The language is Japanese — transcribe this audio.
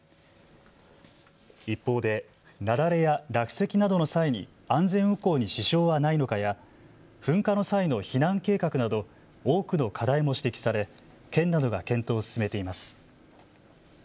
一方で雪崩や落石などの際に安全運行に支障はないのかや噴火の際の避難計画など多くの課題も指摘され県などが検討を進めています。